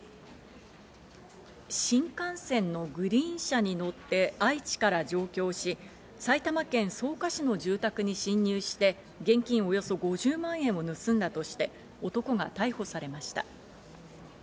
新幹線のグリーン車に乗って愛知から上京し、埼玉県草加市の住宅に侵入して現金およそ５０万円を盗んだとして男が逮捕されました。